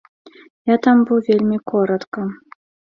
Я там быў вельмі коратка.